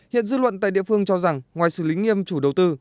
hiện dư luận tại địa phương cho rằng ngoài xử lý nghiêm chủ đầu tư